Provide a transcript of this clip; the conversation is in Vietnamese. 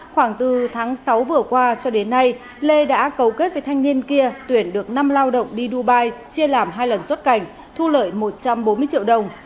khoảng từ tháng sáu vừa qua cho đến nay lê đã cấu kết với thanh niên kia tuyển được năm lao động đi dubai chia làm hai lần xuất cảnh thu lợi một trăm bốn mươi triệu đồng